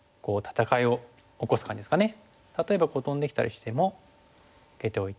例えばトンできたりしても受けておいて。